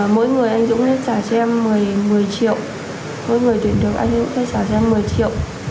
mỗi người anh dũng sẽ trả cho em một mươi triệu mỗi người tuyển được anh dũng sẽ trả cho em một mươi triệu